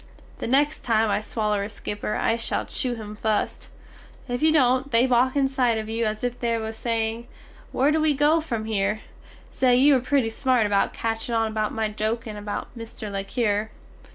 The next time I swaller a skipper I shall chew him fust, if you dont they walk inside of you as if they was saying "where do we go from hear?" Say you were pretty smart about catching on about my jokin about Mr. le Cure.